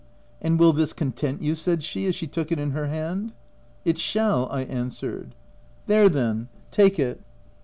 "And will this content you?" said sheas she took it in her hand. " It shall/' I answered. " There, then ; take it."